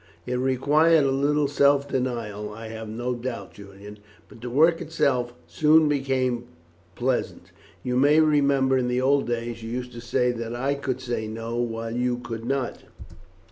"It required a little self denial I have no doubt, Julian, but the work itself soon became pleasant. You may remember in the old days you used to say that I could say 'No,' while you could not."